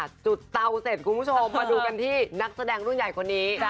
จุดเตาเสร็จคุณผู้ชมมาดูกันที่นักแสดงรุ่นใหญ่คนนี้